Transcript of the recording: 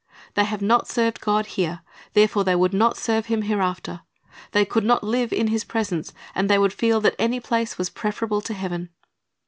They have not served God here; therefore they would not serve Him hereafter. They could not live in His presence, and they would feel that any place was preferable to heaven.